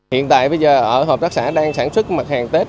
hiện tại bây giờ ở hợp tác xã đang sản xuất mặt hàng tết